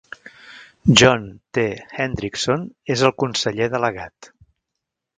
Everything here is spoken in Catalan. John T. Hendrickson és el conseller delegat.